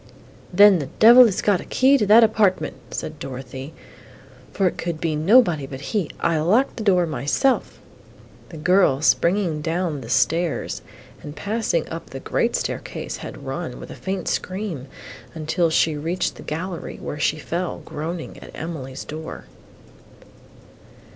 "Then the devil has got a key to that apartment," said Dorothée, "for it could be nobody but he; I locked the door myself!" The girl, springing down the stairs and passing up the great staircase, had run, with a faint scream, till she reached the gallery, where she fell, groaning, at Emily's door.